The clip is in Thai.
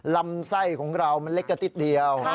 ลำไส้ของเรามันเล็กกระติ๊ดเดียว